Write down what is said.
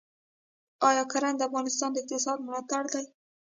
آیا کرنه د افغانستان د اقتصاد ملا تیر دی؟